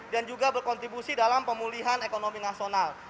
dan juga berkontribusi dalam pemulihan ekonomi nasional